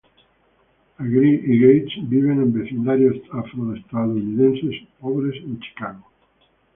Agee y Gates viven en vecindarios afroestadounidenses pobres en Chicago.